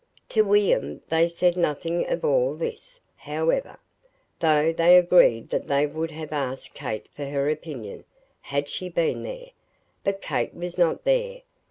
To William they said nothing of all this, however; though they agreed that they would have asked Kate for her opinion, had she been there. But Kate was not there.